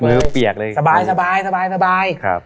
เปียกเลยสบาย